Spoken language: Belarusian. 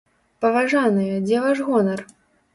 Паважаныя, дзе ваш гонар?